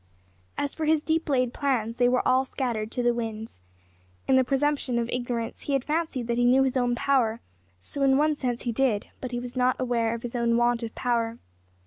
As for his deep laid plans they were all scattered to the winds. In the presumption of ignorance he had fancied that he knew his own power, and so in one sense he did, but he was not aware of his own want of power.